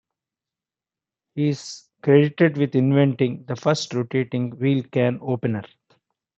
He is credited with inventing the first rotating wheel can opener.